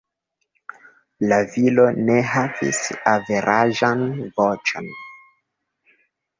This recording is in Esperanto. La viro ne havis averaĝan voĉon.